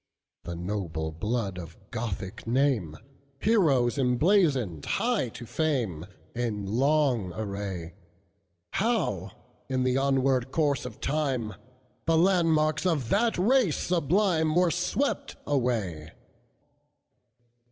The noble blood of Gothic name, Heroes emblazoned high to fame, In long array; How, in the onward course of time, The landmarks of that race sublimeWere swept away!